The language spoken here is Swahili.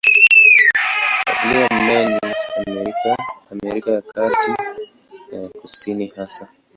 Asilia ya mimea hii ni Amerika, Amerika ya Kati na ya Kusini hasa.